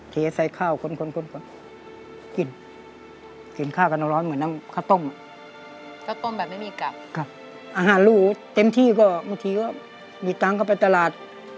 ที่นี่ก็เมื่อกี้ว่ามีตังค์เข้าไปตลาด